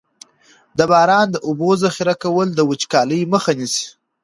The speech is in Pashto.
د باران د اوبو ذخیره کول د وچکالۍ مخه نیسي.